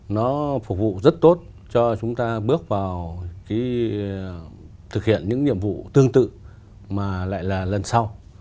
nó phục vụ rất tốt cho chúng ta bước vào thực hiện những nhiệm vụ tương tự mà lại là lần sau